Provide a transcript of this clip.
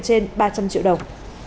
trên ba trăm linh triệu đồng